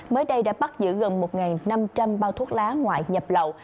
mới đây đã bắt giữ gần một năm trăm linh bao thuốc lá ngoại nhập lậu